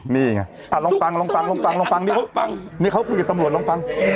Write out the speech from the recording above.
นี่ไงลองฟังลองฟังลองฟังลองฟังนี่เขาฟังนี่เขาคุยกับตำรวจลองฟัง